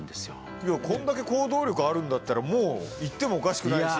いやこんだけ行動力あるんだったらもう行ってもおかしくないし。